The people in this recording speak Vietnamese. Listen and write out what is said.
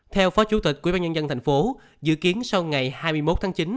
theo phó chủ tịch quyên bán nhân dân thành phố dự kiến sau ngày hai mươi một tháng chín